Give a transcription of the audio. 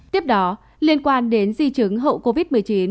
tiếp đó liên quan đến di chứng hậu covid một mươi chín